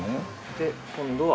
で今度は。